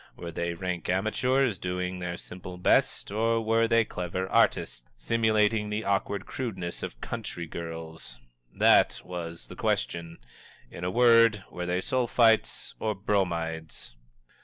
Were they rank amateurs, doing their simple best, or were they clever artists, simulating the awkward crudeness of country girls? That was the question. In a word, were they Sulphites or Bromides?